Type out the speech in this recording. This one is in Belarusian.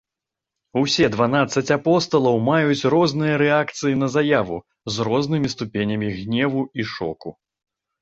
Усе дванаццаць апосталаў маюць розныя рэакцыі на заяву, з рознымі ступенямі гневу і шоку.